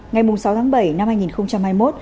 ngày sáu tháng bảy năm hai nghìn hai mươi một